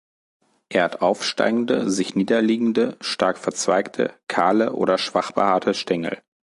Er hat aufsteigende sich niederliegende, stark verzweigte, kahle oder schwach behaarte Stängel.